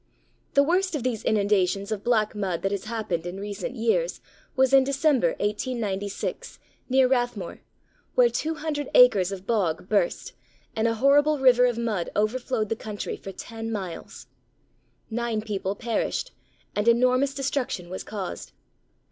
The worst of these inundations of black mud that has happened in recent years was in December, 1896, near Rathmore, where 200 acres of bog burst and a horrible river of mud overflowed the country for ten miles. Nine people perished, and enormous destruction was caused.